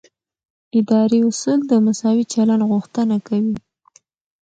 اداري اصول د مساوي چلند غوښتنه کوي.